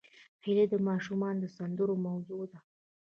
هیلۍ د ماشومانو د سندرو موضوع ده